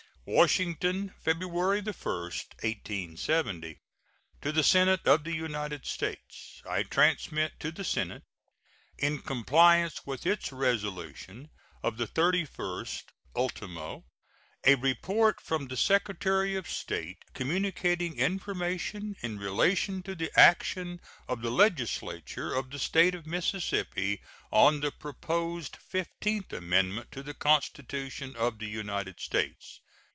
] WASHINGTON, February 1, 1870. To the Senate of the United States: I transmit to the Senate, in compliance with its resolution of the 31st ultimo, a report from the Secretary of State, communicating information in relation to the action of the legislature of the State of Mississippi on the proposed fifteenth amendment to the Constitution of the United States.